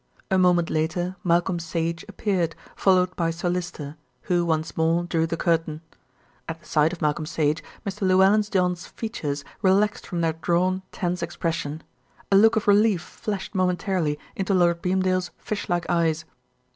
A moment later Malcolm Sage appeared, followed by Sir Lyster, who once more drew the curtain. At the sight of Malcolm Sage, Mr. Llewellyn John's features relaxed from their drawn, tense expression. A look of relief flashed momentarily into Lord Beamdale's fish like eyes.